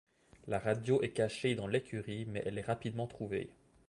La radio est cachée dans l'écurie, mais elle est rapidement trouvée.